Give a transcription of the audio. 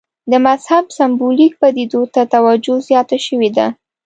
د مذهب سېمبولیکو پدیدو ته توجه زیاته شوې ده.